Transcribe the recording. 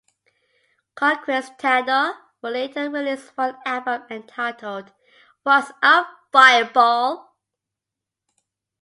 "Conquistador" would later release one album entitled "What's Up Fireball?"'.